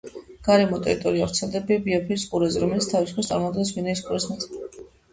გარემო ტერიტორია ვრცელდება ბიაფრის ყურეზე, რომელიც თავის მხრივ, წარმოადგენს გვინეის ყურის ნაწილს.